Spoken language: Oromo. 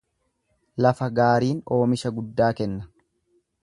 Lafa gaariin oomisha guddaa kenna.